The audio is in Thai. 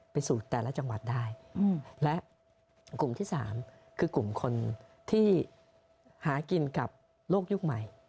ไปสู่แต่ละจังหวัดได้และกลุ่มที่๓คือกลุ่มคนที่หากินกับโลกยุคใหม่